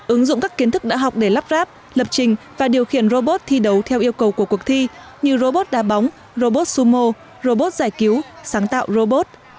ứng dụng các kiến thức đã học để lắp ráp lập trình và điều khiển robot thi đấu theo yêu cầu của cuộc thi như robot đa bóng robot sumo robot giải cứu sáng tạo robot